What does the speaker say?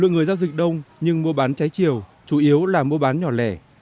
lượng người giao dịch đông nhưng mua bán trái chiều chủ yếu là mua bán nhỏ lẻ